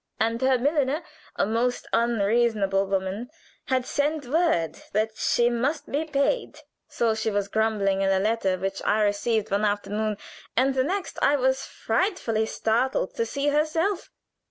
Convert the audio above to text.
And her milliner, a most unreasonable woman, had sent word that she must be paid. "So she was grumbling in a letter which I received one afternoon, and the next I was frightfully startled to see herself.